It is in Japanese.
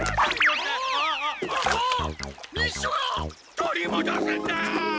取りもどすんだ！